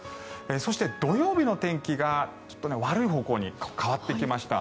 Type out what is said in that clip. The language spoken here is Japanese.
そして、土曜日の天気がちょっと悪い方向に変わってきました。